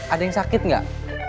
ada yang sakit enggak